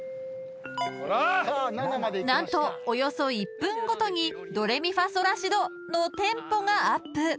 ［何とおよそ１分ごとにドレミファソラシドのテンポがアップ］